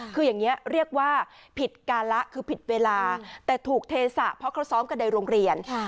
คืออย่างนี้เรียกว่าผิดการะคือผิดเวลาแต่ถูกเทศะเพราะเขาซ้อมกันในโรงเรียน